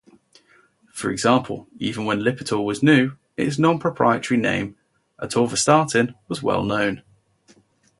For example, even when Lipitor was new, its nonproprietary name, atorvastatin, was well known.